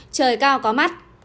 trời cao có mắt